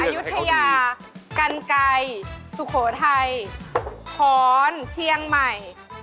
อายุทยากันไก่สุโขทัยค้อนเชียงใหม่